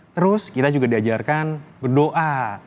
terus kita juga diajarkan berdoa